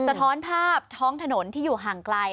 สะท้อนภาพท้องถนนที่อยู่ห่างไกล